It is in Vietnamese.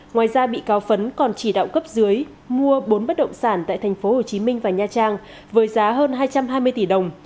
ngoài ra bị cáo phấn còn chỉ đạo cấp dưới mua bốn bất động sản tại tp hcm và nha trang với giá hơn hai trăm hai mươi tỷ đồng